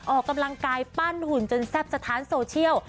ออกกำลังกายปั้นหุ่นจนแซ่บสถานโซเชียล